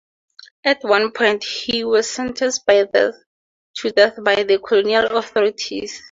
At one point he was sentenced to death by the colonial authorities.